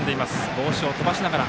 帽子を飛ばしながら。